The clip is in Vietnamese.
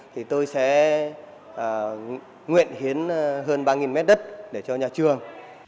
thì tôi sẽ nguyện hiến hơn ba m hai đất để cho nhà trường